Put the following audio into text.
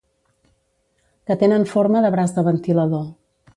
Que tenen forma de braç de ventilador.